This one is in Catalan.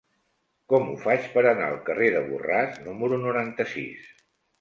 Com ho faig per anar al carrer de Borràs número noranta-sis?